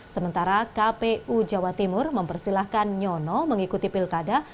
sementara kpu jawa timur mempersilahkan nyono mengikuti pilkada